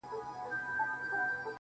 د خټکو نجونه واړه غوبنې دي